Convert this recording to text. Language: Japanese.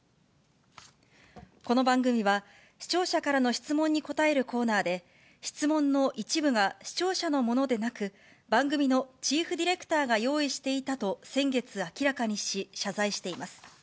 この番組は、視聴者からの質問に答えるコーナーで、質問の一部が視聴者のものでなく、番組のチーフディレクターが用意していたと先月明らかにし、謝罪しています。